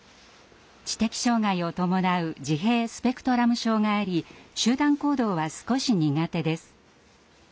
知的障害を伴う自閉スペクトラム症があり集団行動は少し苦手です。